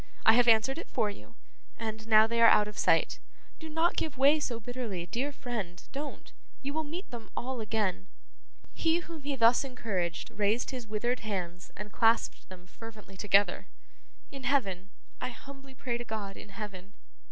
I have answered it for you and now they are out of sight. Do not give way so bitterly, dear friend, don't. You will meet them all again.' He whom he thus encouraged, raised his withered hands and clasped them fervently together. 'In heaven. I humbly pray to God in heaven.